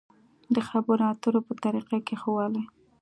د خبرو اترو په طريقه کې ښه والی.